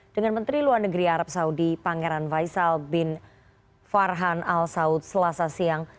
dengan menteri luar negeri arab saudi pangeran faisal bin farhan al saud selasa siang